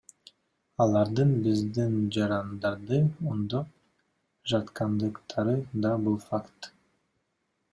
Алардын биздин жарандарды үндөп жаткандыктары да – бул факт.